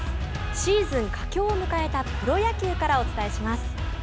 シーズン佳境を迎えたプロ野球からお伝えします。